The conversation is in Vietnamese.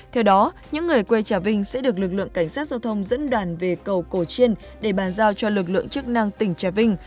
theo đó những người quê trà vinh sẽ được lực lượng cảnh sát giao thông dẫn đoàn về cầu cổ chiên để bàn giao cho lực lượng chức năng tỉnh trà vinh